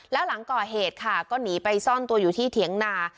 แล้วหลังก่อเหตุค่ะก็หนีไปซ่อนตัวอยู่ที่เถียงนา